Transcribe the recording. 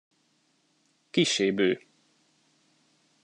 Kissé bő.